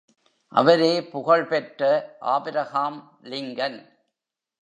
அவரே புகழ் பெற்ற ஆபிரகாம் லிங்கன்!